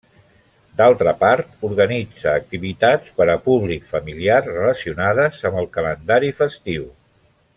D’altra part, organitza activitats per a públic familiar relacionades amb el calendari festiu.